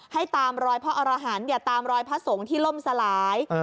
ให้ตามรอยพระอรหันต์อย่าตามรอยพระสงฆ์ที่ล่มสลาย